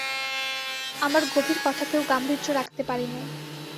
আমার গভীর কথাতেও গাম্ভীর্য রাখতে পারি নে।